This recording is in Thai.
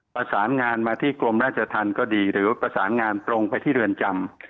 ประสานงานมาที่กรมราชธรรมก็ดีหรือประสานงานตรงไปที่เรือนจำ